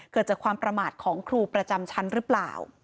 เกิดจากความประมาทของครูประจำชั้นหรือเปล่า